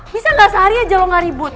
bisa gak sehari aja lo ngga ribut